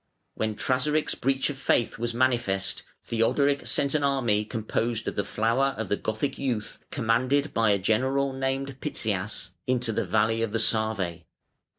When Trasaric's breach of faith was manifest, Theodoric sent an army (504) composed of the flower of the Gothic youth, commanded by a general named Pitzias, into the valley of the Save.